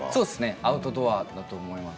アウトドアだと思います。